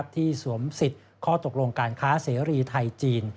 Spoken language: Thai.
สวมสิทธิ์ข้อตกลงการค้าเสรีไทยจีน